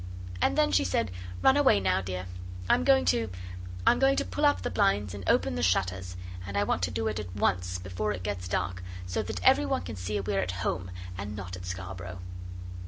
And then she said, 'Run away now, dear. I'm going to I'm going to pull up the blinds and open the shutters, and I want to do it at once, before it gets dark, so that every one can see we're at home, and not at Scarborough.